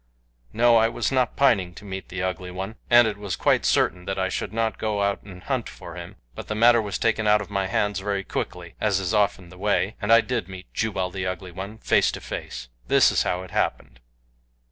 No, I was not pining to meet the Ugly One and it was quite certain that I should not go out and hunt for him; but the matter was taken out of my hands very quickly, as is often the way, and I did meet Jubal the Ugly One face to face. This is how it happened.